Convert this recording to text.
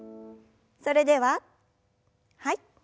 それでははい。